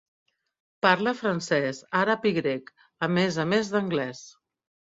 Parla francès, àrab i grec, a més a més d'anglès.